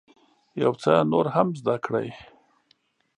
یو څه نور هم زده کړئ.